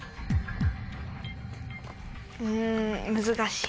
ん難しい。